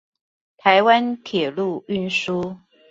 台灣鐵路運輸